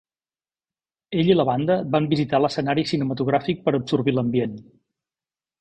Ell i la banda van visitar l'escenari cinematogràfic per absorbir l'ambient.